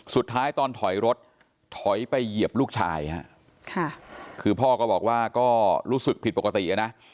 ตอนถอยรถถอยไปเหยียบลูกชายฮะค่ะคือพ่อก็บอกว่าก็รู้สึกผิดปกตินะ